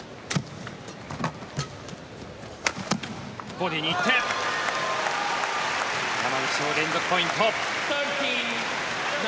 ボディーに行って山口、連続ポイント。